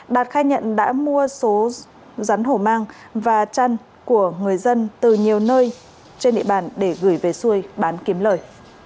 đạt khai nhận đã mua số rắn hổ mang và chăn của người dân từ nhiều nơi trên địa bàn để gửi về xuôi bán kiếm lời